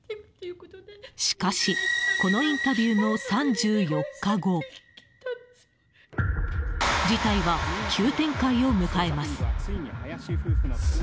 しかしこのインタビューの３４日後事態は急展開を迎えます。